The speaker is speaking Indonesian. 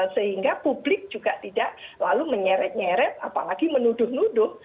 sehingga publik juga tidak lalu menyeret nyeret apalagi menuduh nuduh